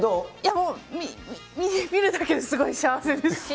もう見るだけで、すごい幸せです。